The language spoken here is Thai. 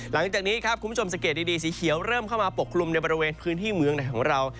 หลังจากนี้ครับคุณผู้ชมสังเกตดีสีเขียวเริ่มเข้ามาปกคลุมในบริเวณพื้นที่เมืองไหนของเรา